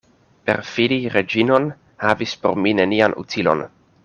Perfidi Reĝinon havis por mi nenian utilon.